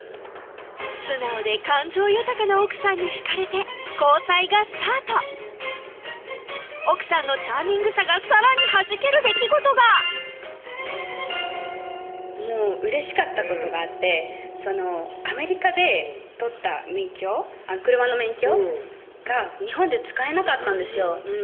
素直で感情豊かな奥さんにひかれて交際がスタート奥さんのチャーミングさがさらにはじける出来事がうれしかったことがあってアメリカで取った車の免許が日本で使えなかったんですよ